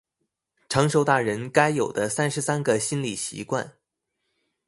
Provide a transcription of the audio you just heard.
成熟大人該有的三十三個心理習慣